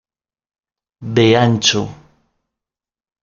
De ancho.